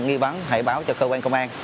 nghi vấn hãy báo cho cơ quan công an